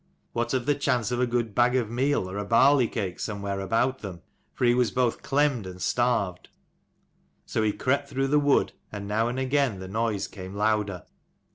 What of the chance of a good bag of meal or a barley cake somewhere about them ? For he was both clemmed and starved. So he crept through the wood, and now and again the noise came louder.